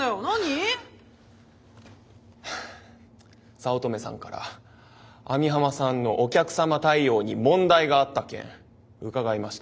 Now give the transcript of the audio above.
早乙女さんから網浜さんのお客様対応に問題があった件伺いました。